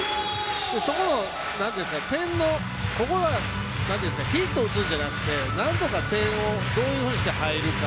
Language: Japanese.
そこの点のヒットを打つんじゃなくてなんとか点をどういうふうにして入るか。